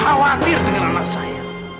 khawatir dengan anak saya